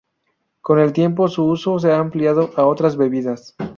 Con el tiempo su uso se ha ampliado a otras bebidas.